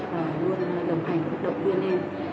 và luôn đồng hành động viên em